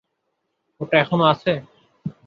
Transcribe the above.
ওটা এখনো আছে?